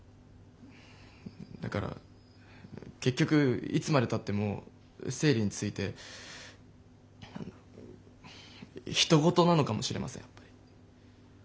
だから結局いつまでたっても生理についてひと事なのかもしれませんやっぱり。